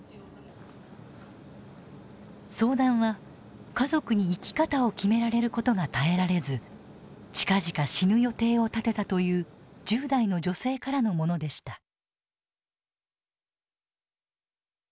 相談は家族に生き方を決められることが耐えられず近々死ぬ予定を立てたという１０代の女性からのものでした。